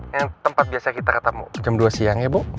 yang tempat biasa kita ketemu jam dua siang ya bu